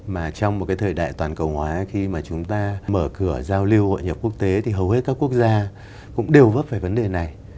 mà trong một cái thời đại toàn cầu hóa khi mà chúng ta mở cửa giao lưu hội nhập quốc tế thì hầu hết các quốc gia cũng đều vấp về vấn đề này